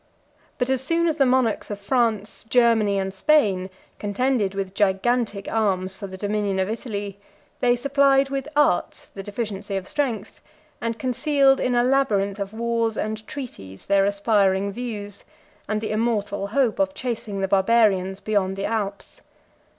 But as soon as the monarchs of France, Germany and Spain, contended with gigantic arms for the dominion of Italy, they supplied with art the deficiency of strength; and concealed, in a labyrinth of wars and treaties, their aspiring views, and the immortal hope of chasing the Barbarians beyond the Alps.